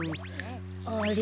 あれ？